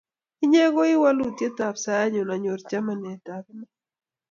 Inye koi walutyet ap saenyun anyor chamanetap iman